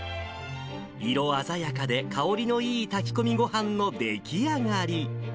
色鮮やかで、香りのいい炊き込みごはんの出来上がり。